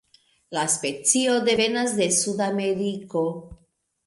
La specio devenas de Sudameriko.